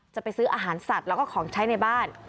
จะไปซื้ออาหารสัตว์แล้วก็ของใช้ในบ้าน